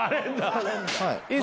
はい。